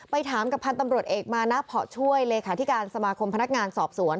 ถามกับพันธ์ตำรวจเอกมานะเพาะช่วยเลขาธิการสมาคมพนักงานสอบสวน